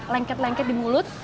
lengket lengket di mulut